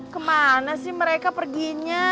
kemana sih mereka pergi